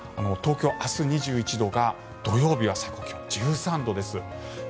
東京、明日２１度が土曜日は最高気温１３度です。